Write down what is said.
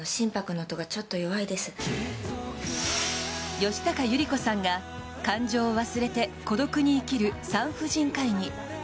吉高由里子さんが感情を忘れて孤独に生きる産婦人科医に。